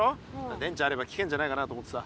電池あれば聞けんじゃないかなと思ってさ。